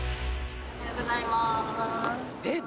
おはようございまーす。